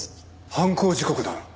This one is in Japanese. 犯行時刻だ。